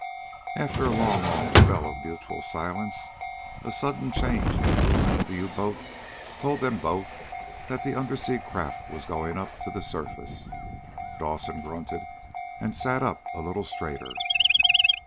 After a long, long spell of mutual silence a sudden change in the movement of the U boat told them both that the undersea craft was going up to the surface. Dawson grunted and sat up a little straighter.